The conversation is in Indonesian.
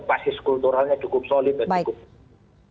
basis kulturalnya cukup solid dan cukup